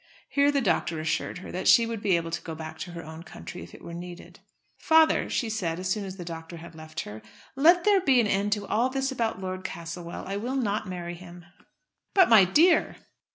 Here the doctor assured her that she would be able to go back to her own country, if it were needed. "Father," she said, as soon as the doctor had left her, "let there be an end to all this about Lord Castlewell. I will not marry him." "But, my dear!"